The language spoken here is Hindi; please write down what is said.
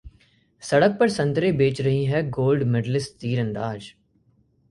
सड़क पर संतरे बेच रही है गोल्ड मेडलिस्ट तीरंदाज